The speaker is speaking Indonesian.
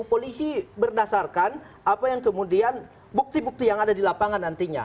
polisi berdasarkan apa yang kemudian bukti bukti yang ada di lapangan nantinya